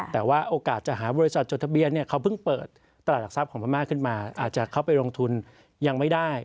แต่ว่าโอกาสจะหาบริษัทจดทะเบียนเนี่ยเขาเพิ่งเปิดตลาดหลักทรัพย์ของพม่าขึ้นมาอาจจะเข้าไปลงทุนยังไม่ได้